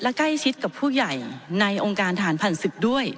และใกล้ชิดกับผู้ใหญ่ในองค์การฐานผ่าน๑๐ด้วย